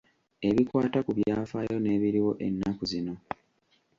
Ebikwata ku byafaayo n'ebiriwo ennaku zino.